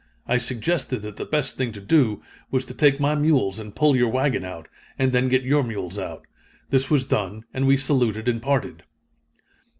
I suggested that the best thing to do, was to take my mules and pull your wagon out, and then get your mules out. This was done, and we saluted and parted."